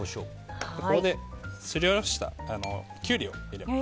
ここですりおろしたキュウリを入れます。